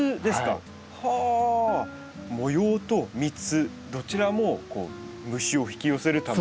模様と蜜どちらも虫を引き寄せるため。